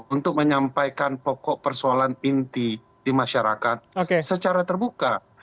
untuk menyampaikan pokok persoalan inti di masyarakat secara terbuka